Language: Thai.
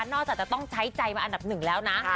จากจะต้องใช้ใจมาอันดับหนึ่งแล้วนะ